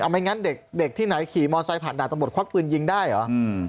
เอาไม่งั้นเด็กที่ไหนขี่มอนไซด์ผ่านด่าตะบดควัดปืนยิงได้หรอ